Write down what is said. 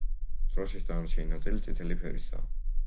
დროშის დანარჩენი ნაწილი წითელი ფერისაა.